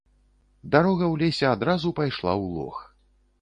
Дарога ў лесе адразу пайшла ў лог.